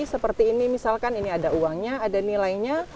seperti ini misalkan ini ada uangnya ada nilainya